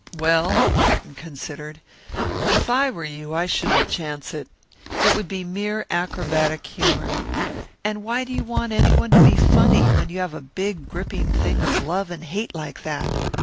"Well," Merton considered, "if I were you I shouldn't chance it. It would be mere acrobatic humour. And why do you want any one to be funny when you have a big gripping thing of love and hate like that?